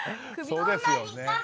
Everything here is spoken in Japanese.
そうですよね。